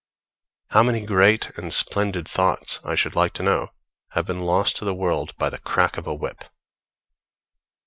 How many great and splendid thoughts, I should like to know, have been lost to the world by the crack of a whip?